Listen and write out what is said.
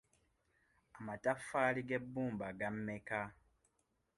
Amataffaali g'ebbumba ga mmeka?